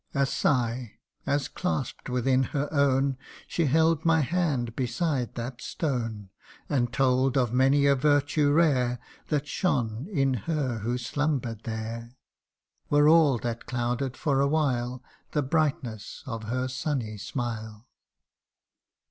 25 A sigh, as clasp'd within her own She held my hand beside that stone, And told of many a virtue rare That shone in her who slumber'd there Were all that clouded for a while The brightness of her sunny smile.